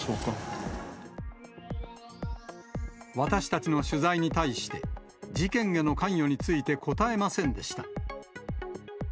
私たちの取材に対して、事件への関与について答えませんでした。